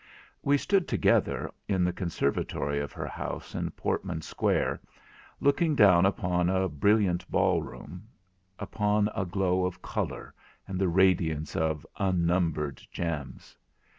We stood together in the conservatory of her house in Portman Square, looking down upon a brilliant ballroom, upon a glow of colour, and the radiance of unnumbered gems.